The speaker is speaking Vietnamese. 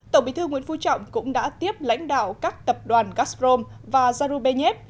tổng bí thư nguyễn phu trọng cũng đã tiếp lãnh đạo các tập đoàn gazprom và zarubenev